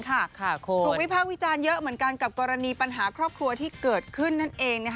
ถูกวิภาควิจารณ์เยอะเหมือนกันกับกรณีปัญหาครอบครัวที่เกิดขึ้นนั่นเอง